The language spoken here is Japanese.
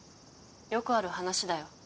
よくある話だよ。